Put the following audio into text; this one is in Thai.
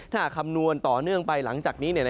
ถ้าหากคำนวณต่อเนื่องไปหลังจากนี้